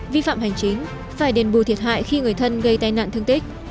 vi phạm hành chính phải đền bù thiệt hại khi người thân gây tai nạn thương tích